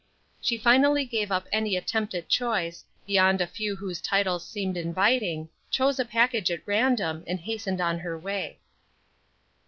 She finally gave up any attempt at choice, beyond a few whose titles seemed inviting, chose a package at random, and hastened on her way.